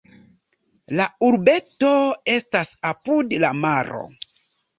La urbeto estas apud la maro.